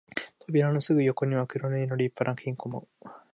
扉のすぐ横には黒塗りの立派な金庫も、